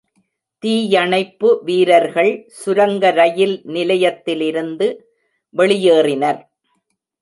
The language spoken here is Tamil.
தீயணைப்பு வீரர்கள் சுரங்க ரயில் நிலையத்திலிருந்து வெளியேறினர்.